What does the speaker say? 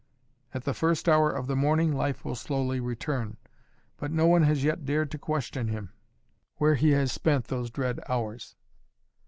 At the first hour of the morning life will slowly return. But no one has yet dared to question him, where he has spent those dread hours."